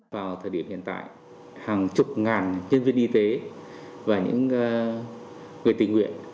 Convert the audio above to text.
vào thời điểm hiện tại hàng chục ngàn nhân viên y tế và những người tình nguyện